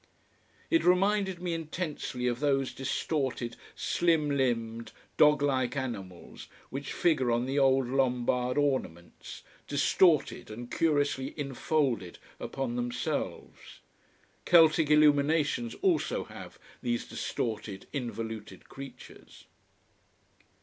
It reminded me intensely of those distorted, slim limbed, dog like animals which figure on the old Lombard ornaments, distorted and curiously infolded upon themselves. Celtic illuminations also have these distorted, involuted creatures.